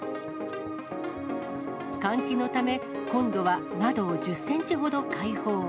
換気のため、今度は窓を１０センチほど開放。